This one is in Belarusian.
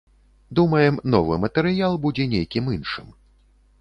Думаем, новы матэрыял будзе нейкім іншым.